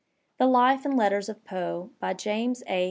"The life and Letters of Poe," by James A.